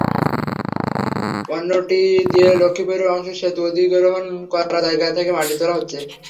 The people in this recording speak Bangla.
অন্যটি দিয়ে লক্ষ্মীপুর অংশের সেতুর অধিগ্রহণ করা জায়গা থেকে মাটি তোলা হচ্ছে।